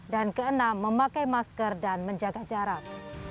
dan keenam memakai masker dan menjaga jarak